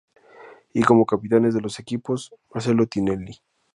Y como capitanes de los equipos, Marcelo Tinelli.